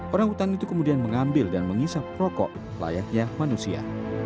orang hutan itu kemudian mengambil dan menghisap rokok layaknya manusia